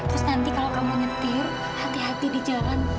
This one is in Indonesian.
terus nanti kalau kamu nyetir hati hati di jalan